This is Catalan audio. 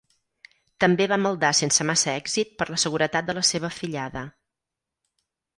També va maldar sense massa èxit per la seguretat de la seva afillada.